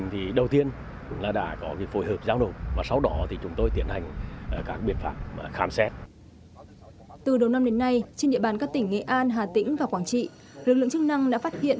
từ đầu năm đến nay trên địa bàn các tỉnh nghệ an hà tĩnh và quảng trị lực lượng chức năng đã phát hiện